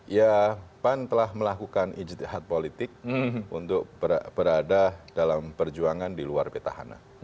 ya pan telah melakukan ijtihad politik untuk berada dalam perjuangan di luar petahana